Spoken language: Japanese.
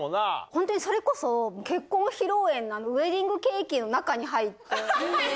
本当にそれこそ、結婚披露宴のウエディングケーキの中に入って。